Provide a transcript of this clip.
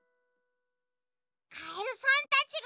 カエルさんたちが。